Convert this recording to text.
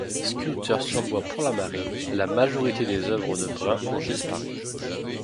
Sculpteur sur bois pour la marine, la majorité des œuvres de Brun ont disparu.